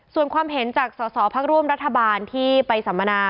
ส่วนความเห็นจากสอสอพักร่วมรัฐบาลที่ไปสัมมนา